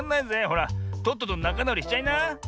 ほらとっととなかなおりしちゃいな。